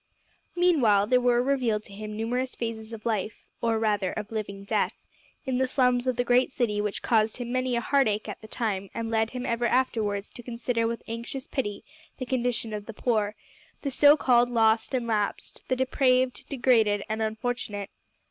Meanwhile there were revealed to him numerous phases of life or, rather, of living death in the slums of the great city which caused him many a heartache at the time, and led him ever afterwards to consider with anxious pity the condition of the poor, the so called lost and lapsed, the depraved, degraded, and unfortunate.